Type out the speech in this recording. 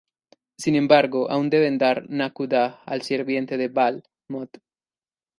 Sin embargo aun deben dar Naquadah al sirviente de Baal, Mot.